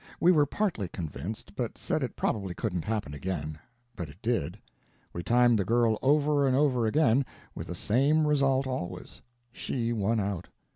We were partly convinced, but said it probably couldn't happen again. But it did. We timed the girl over and over again with the same result always: she won out.